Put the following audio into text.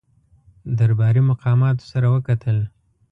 درباري مقاماتو سره وکتل.